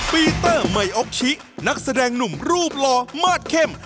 พีเตอร์ไมอ๊กชินักแสดงหลวงรูปหลอมทรมาจเข้ม